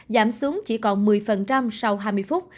giảm xuống chỉ còn một mươi sau hai mươi phút